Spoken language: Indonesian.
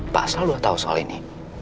pak sal udah tau soal ini